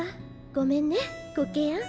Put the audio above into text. ごめんねコケヤン。